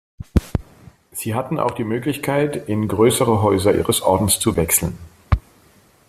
Sie hatten auch die Möglichkeit, in größere Häuser ihres Ordens zu wechseln.